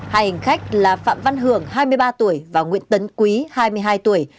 hai hành khách là phạm văn hưởng hai mươi ba tuổi và nguyễn tấn quý hai mươi hai tuổi